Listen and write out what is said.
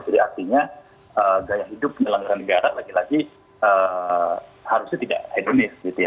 jadi artinya gaya hidupnya langgaran negara lagi lagi harusnya tidak hedonis gitu ya